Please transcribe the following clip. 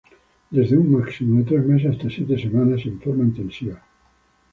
Desde un máximo de tres meses hasta siete semanas, en forma intensiva.